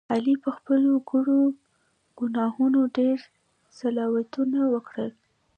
علي په خپلو کړو ګناهونو ډېر صلواتونه وکړل.